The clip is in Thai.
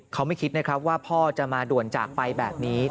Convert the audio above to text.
เขาไม่คิดนะครับว่าพ่อจะมาด่วนจากไปแบบนี้